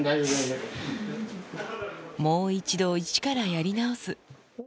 もう一度、一からやり直す。